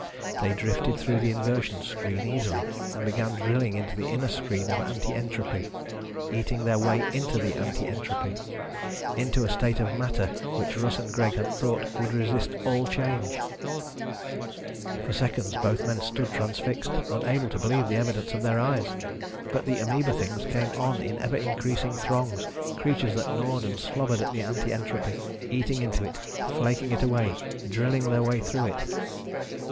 They drifted through the inversion screen easily and began drilling into the inner screen of anti entropy. Eating their way into the anti entropy ... into a state of matter which Russ and Greg had thought would resist all change! For seconds both men stood transfixed, unable to believe the evidence of their eyes. But the ameba things came on in ever increasing throngs, creatures that gnawed and slobbered at the anti entropy, eating into it, flaking it away, drilling their way through it.